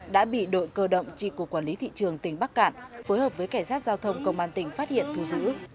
đã bị đội cơ động tri cục quản lý thị trường tỉnh bắc cạn phối hợp với cảnh sát giao thông công an tỉnh phát hiện thu giữ